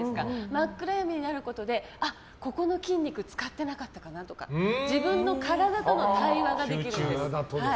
真っ暗闇になることでここの筋肉使ってなかったなとか自分の体との対話ができるんです。